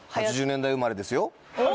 ８０年代生まれですよ。